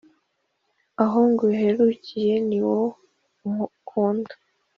aho nguherukiye ni wo ukunda